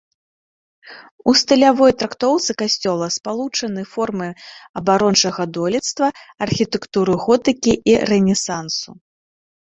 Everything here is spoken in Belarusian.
У стылявой трактоўцы касцёла спалучаны формы абарончага дойлідства, архітэктуры готыкі і рэнесансу.